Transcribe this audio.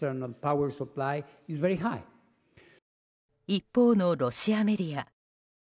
一方のロシアメディア。